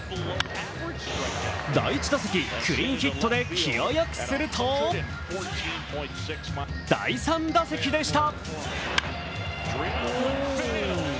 第１打席、クリーンヒットで気をよくすると第３打席でした。